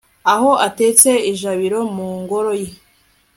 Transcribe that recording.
aho atetse ijabiro mu ngoro ye